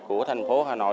của thành phố hà nội